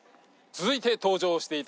続いて登場して頂きましょう。